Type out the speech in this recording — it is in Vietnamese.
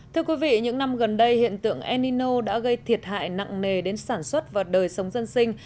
thưa quý vị những năm gần đây hiện tượng enino đã gây thiệt hại nặng nề đến sản xuất và đời sống dân sinh